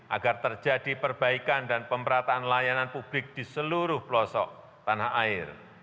agar terjadi perbaikan dan pemerataan layanan publik di seluruh pelosok tanah air